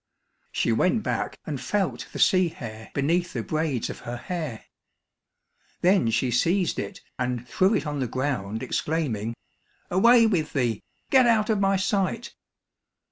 She went back and felt the sea hare beneath the braids of her hair. Then she seized it, and threw it on the ground exclaiming, "Away with thee, get out of my sight!"